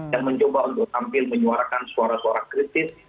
yang mencoba untuk tampil menyuarakan suara suara kritis